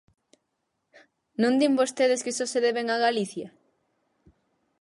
¿Non din vostedes que só se deben a Galicia?